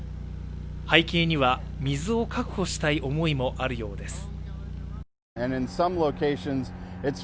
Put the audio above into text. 背景には水を確保したい思いもあるようです